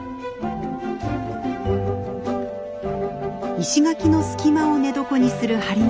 石垣の隙間を寝床にするハリネズミ。